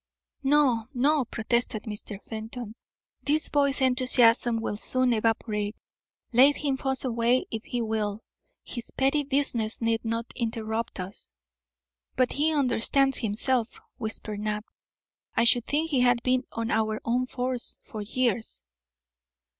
"No, no!" protested Mr. Fenton. "This boy's enthusiasm will soon evaporate. Let him fuss away if he will. His petty business need not interrupt us." "But he understands himself," whispered Knapp. "I should think he had been on our own force for years."